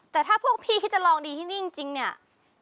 แต่ถ้าพวกพี่คิดจะลองดีที่นี่จริงเนี่ย